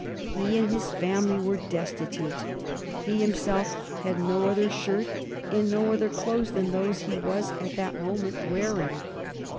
He and his family were destitute; he himself had no other shirt and no other clothes than those he was at that moment wearing.